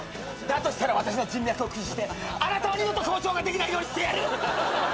だとしたら私の人脈を駆使してあなたを二度と校長ができないようにしてやる。